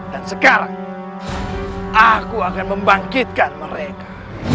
dan sekarang aku akan membangkitkan mereka